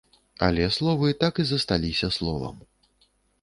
Але словы так і засталіся словам.